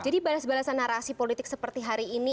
jadi balasan balasan narasi politik seperti hari ini